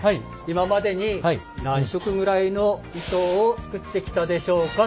今までに何色ぐらいの糸を作ってきたでしょうか。